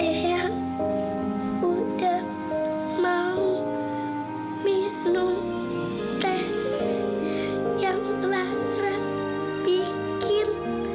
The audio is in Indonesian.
ayah udah mau minum teh yang lara bikin